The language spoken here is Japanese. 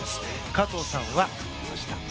加藤さんは、言いました。